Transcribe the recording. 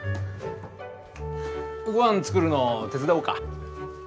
ごはん作るの手伝おうか？